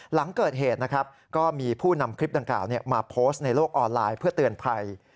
หลังเกิดเหตุนะครับก็มีผู้นำคลิปดังกล่าวมาโพสต์ในโลกออนไลน์เพื่อเตือนภัย